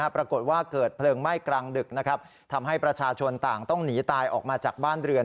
ปรากฏว่าเกิดเพลิงไหม้กลางดึกทำให้ประชาชนต่างต้องหนีตายออกมาจากบ้านเรือน